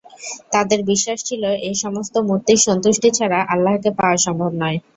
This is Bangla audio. তাদের বিশ্বাস ছিল, এ সমস্ত মূর্তির সন্তুষ্টি ছাড়া আল্লাহকে পাওয়া সম্ভব নয়।